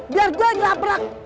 biar gue yang labrak